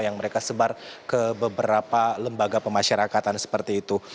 yang mereka sebar ke beberapa lembaga pemasyarakatan seperti itu